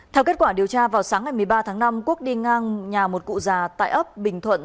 theo kết quả điều tra vào sáng ngày một mươi ba tháng năm quốc đi ngang nhà một cụ già tại ấp bình thuận